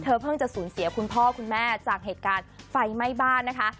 เพิ่งจะสูญเสียคุณพ่อคุณแม่จากเหตุการณ์ไฟไหม้บ้านนะคะ